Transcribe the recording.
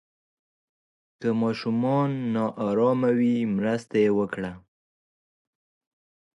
که ماشوم نا آرامه وي، مرسته یې وکړئ.